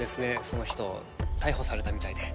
その人逮捕されたみたいで。